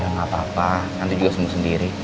ya gapapa nanti juga sembuh sendiri